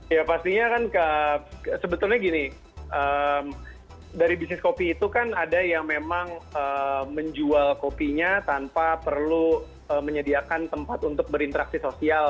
ya pastinya kan sebetulnya gini dari bisnis kopi itu kan ada yang memang menjual kopinya tanpa perlu menyediakan tempat untuk berinteraksi sosial